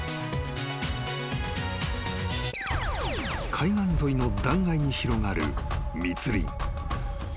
［海岸沿いの断崖に広がる密林］